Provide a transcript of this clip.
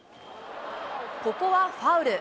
ここはファウル。